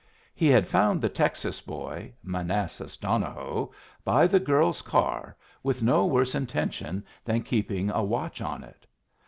He had found the Texas boy, Manassas Donohoe, by the girl's car, with no worse intention than keeping a watch on it.